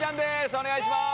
お願いします。